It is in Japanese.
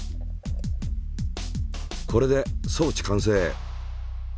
これで装置完成。